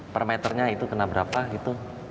per meternya itu kena berapa gitu